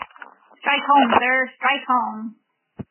Strike home, sir, strike home!